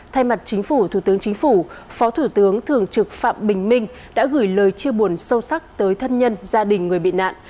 thay mặt chính phủ thủ tướng chính phủ phó thủ tướng thường trực phạm bình minh đã gửi lời chia buồn sâu sắc tới thân nhân gia đình người bị nạn